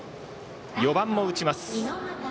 ４番も打ちます。